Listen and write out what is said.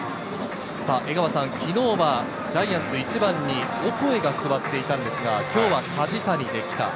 江川さん、昨日はジャイアンツは１番にオコエが座っていたんですが、今日は梶谷で来た。